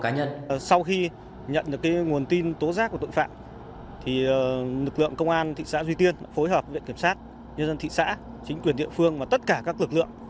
nhân dân thị xã chính quyền địa phương và tất cả các lực lượng